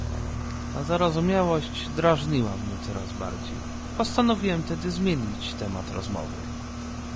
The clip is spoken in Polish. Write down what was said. "Ta zarozumiałość drażniła mnie coraz bardziej, postanowiłem tedy zmienić temat rozmowy."